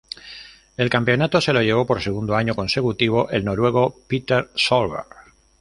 El campeonato se lo llevó por segundo año consecutivo, el noruego Petter Solberg.